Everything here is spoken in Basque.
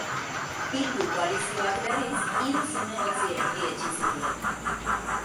Bildu koalizioak, berriz, hiru zinegotzi erdietsi zituen.